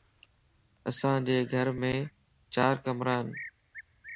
اسان جي گھرم چار ڪمرا ان